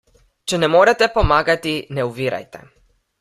Če ne morete pomagati, ne ovirajte.